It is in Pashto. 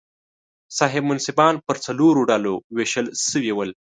صاحب منصبان پر څلورو ډلو وېشل شوي ول.